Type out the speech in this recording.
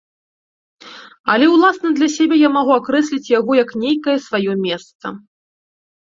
Але ўласна для сябе я магу акрэсліць яго як нейкае сваё месца.